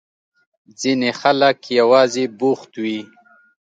ځينې خلک يوازې بوخت وي.